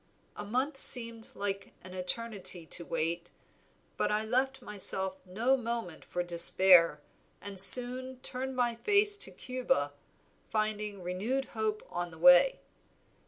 A month seemed an eternity to wait, but I left myself no moment for despair, and soon turned my face to Cuba, finding renewed hope on the way.